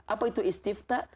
apa itu istifta